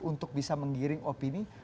untuk bisa menggiring opini